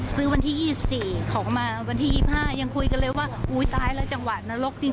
ซื้อวันที่๒๔ของมาวันที่๒๕ยังคุยกันเลยว่าอุ้ยตายแล้วจังหวะนรกจริง